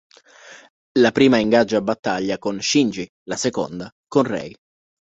La prima ingaggia battaglia con Shinji, la seconda con Rei.